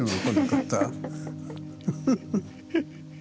フフフフ！